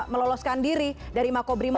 meloloskan diri dari makobrimo